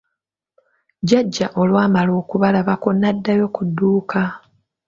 Jjjajja olwamala okubalabako, n'addayo ku dduuka.